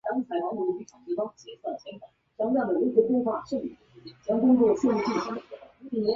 比利猿里的一种大型灵长类猿类动物或另一种传说生物。